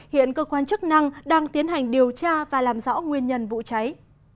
hiện cơ quan chức năng đang tiến hành điều tra và làm rõ nguyên nhân vụ cháy